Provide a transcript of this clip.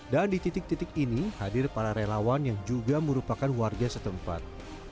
dan di titik titik ini hadir para relawan yang juga merupakan warga setempat